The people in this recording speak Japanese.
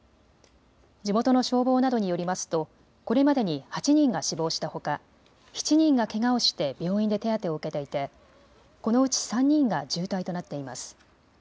地元の消防などによりますとこれまでに８人が死亡したほか７人がけがをして病院で手当てを受けていてこのうち３人が重体となっています。